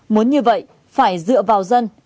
muốn như vậy phải dựa vào dân